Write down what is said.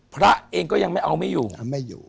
พระเองก็ยังไม่เอาไม่อยู่